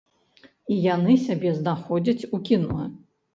І яны сябе знаходзяць у кіно.